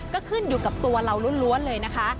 ก็ขึ้นอยู่กับตัวเราล้วนเลยนะคะ